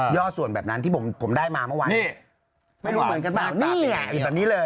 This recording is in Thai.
ส่วนแบบนั้นที่ผมได้มาเมื่อวานนี้ไม่รู้เหมือนกันป่ะอยู่แบบนี้เลย